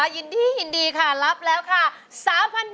ยินดีค่ะรับแล้วค่ะ๓๐๐๐บาท